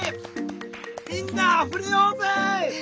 みんなあふれようぜ！